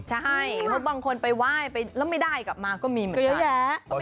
ใช่เพราะบางคนไปไหว้ไปแล้วไม่ได้กลับมาก็มีเหมือนกันเยอะแยะ